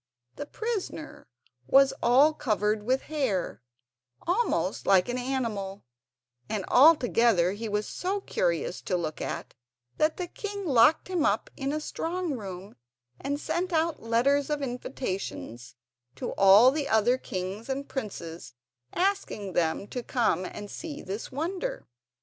The prisoner was all covered with hair, almost like an animal; and altogether he was so curious to look at that the king locked him up in a strong room and sent out letters of invitation to all the other kings and princes asking them to come and see this wonder.